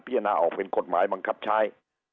พิจารณาออกเป็นกฎหมายมังคับชาย